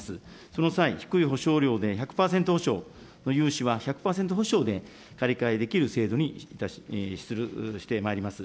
その際、低い保証料で１００％ほしょう、融資は１００％保証で借り換えできる制度にしてまいります。